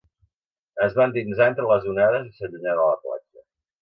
Es va endinsar entre les onades i s'allunyà de la platja.